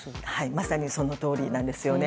まさにそのとおりなんですよね。